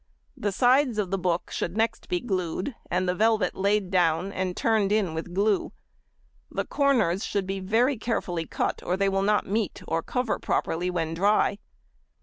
The sides of the book should next be glued, and the velvet laid down, and turned in with glue. The corners should be very carefully cut or they will not meet, or cover properly when dry.